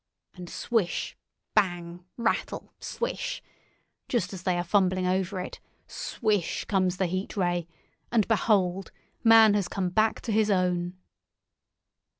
And swish, bang, rattle, swish! Just as they are fumbling over it, swish comes the Heat Ray, and, behold! man has come back to his own."